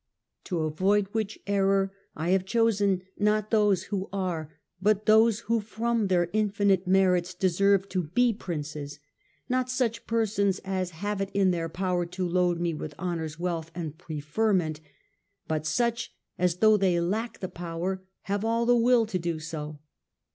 To avoid which error I have chosen, not those who are but those who from their infinite merits deserve to be Princes; not such persons as have it in their power to load me with honours, wealth, and preferment, but such as though they lack the power, have all the will to do so.